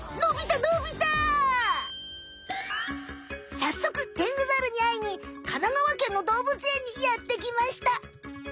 さっそくテングザルにあいに神奈川県のどうぶつえんにやってきました！